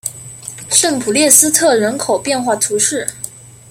圣普列斯特人口变化图示